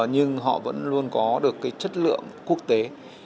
nhưng họ vẫn luôn có được cái chất lượng quốc tế